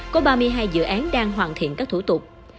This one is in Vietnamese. có ba mươi hai dự án đang hoàn thiện các thủ tục